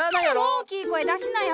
大きい声出しなや！